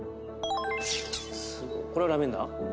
これラベンダー？